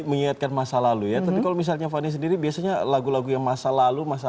mengingatkan masa lalu ya tapi kalau misalnya fani sendiri biasanya lagu lagu yang masa lalu masa